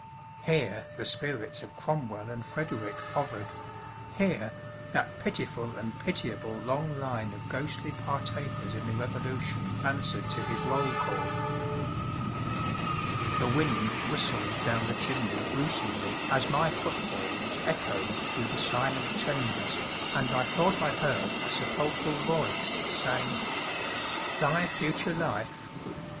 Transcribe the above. Here the spirits of Cromwell and Frederick hovered; here that pitiful and pitiable long line of ghostly partakers in the Revolution answered to his roll call. The wind whistled down the chimney gruesomely as my footfalls echoed through the silent chambers, and I thought I heard a sepulchral voice say: "Thy future life!